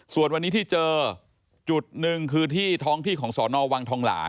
ส่วนที่เจอจุดหนึ่งคือที่ทองที่สนวถองหล่าง